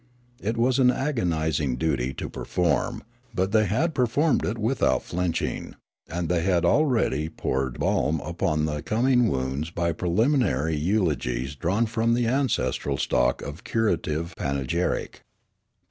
It was an agonising duty to per form, but they had performed it without flinching ; and they had already poured balm upon the coming wounds by preliminary eulogies drawn from the ancestral stock of curative panegyric.